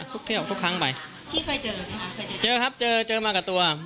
ทุกเที่ยวทุกครั้งไปพี่เคยเจอไหมคะเคยเจอเจอครับเจอเจอมากับตัว